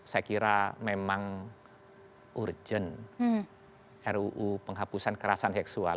saya kira memang urgent ruu penghapusan kekerasan seksual